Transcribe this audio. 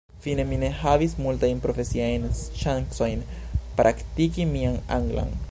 Fine mi ne havis multajn profesiajn ŝancojn praktiki mian anglan.